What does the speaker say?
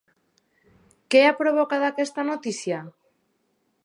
Què ha provocat aquesta notícia?